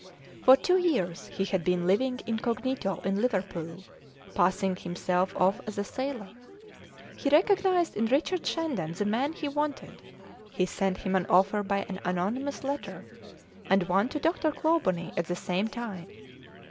For two years he had been living incognito in Liverpool, passing himself off as a sailor; he recognised in Richard Shandon the man he wanted; he sent him an offer by an anonymous letter, and one to Dr. Clawbonny at the same time.